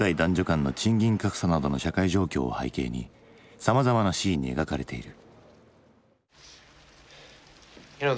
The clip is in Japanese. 間の賃金格差などの社会状況を背景にさまざまなシーンに描かれている。